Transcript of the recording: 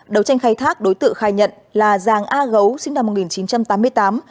đầu tranh khai thác đối tượng khai nhận là giàng a gấu sinh năm một nghìn chín trăm tám mươi tám